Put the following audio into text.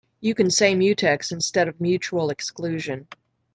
You can say mutex instead of mutual exclusion.